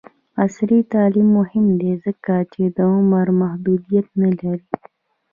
عصري تعلیم مهم دی ځکه چې د عمر محدودیت نه لري.